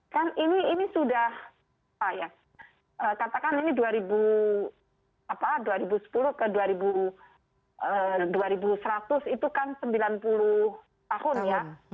kan ini sudah apa ya katakan ini dua ribu sepuluh ke dua ribu seratus itu kan sembilan puluh tahun ya